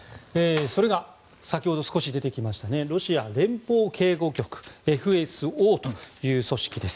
それが先ほど少し出てきたロシア連邦警護局・ＦＳＯという組織です。